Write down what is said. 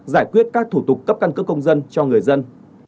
giải quyết các thủ tục cấp căn cước công dân cho người dân